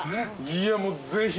いやもうぜひ。